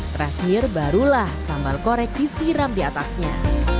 terakhir barulah sambal korek disiram di atasnya